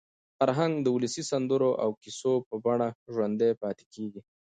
فرهنګ د ولسي سندرو او کیسو په بڼه ژوندي پاتې کېږي.